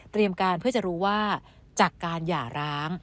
การเพื่อจะรู้ว่าจากการหย่าร้าง